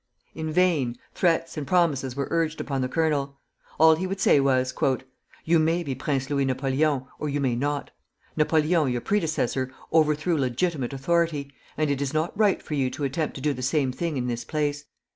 In vain, threats and promises were urged upon the colonel. All he would say was: "You may be Prince Louis Napoleon, or you may not. Napoleon, your predecessor, overthrew legitimate authority, and it is not right for you to attempt to do the same thing in this place.